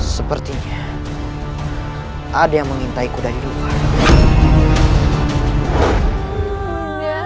sepertinya ada yang mengintai ku dari luar